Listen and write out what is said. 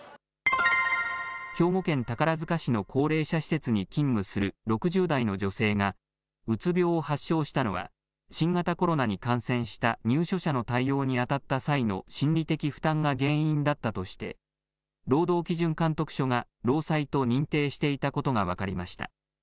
兵庫県宝塚市の高齢者施設に勤務する６０代の女性が、うつ病を発症したのは、新型コロナに感染した入所者の対応に当たった際の心理的負担が原因だったとして、労働基準監督署が労災と認定していたことが分かりました。